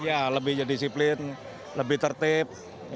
ya lebih disiplin lebih tertib